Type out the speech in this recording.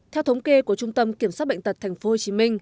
theo thống kê của trung tâm kiểm soát bệnh tật tp hcm